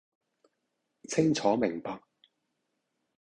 清楚明白